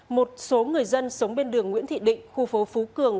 một số người dân sống bên đường nguyễn thị định khu phố phú cường